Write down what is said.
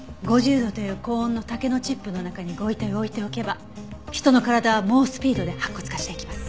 ５０度という高温の竹のチップの中にご遺体を置いておけば人の体は猛スピードで白骨化していきます。